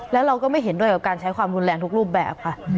แล้วเราก็ไม่เห็นด้วยกับการใช้ความรุนแรงทุกรูปแบบค่ะ